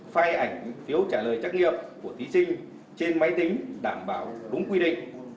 phai ảnh phiếu trả lời trách nghiệm của thí sinh trên máy tính đảm bảo đúng quy định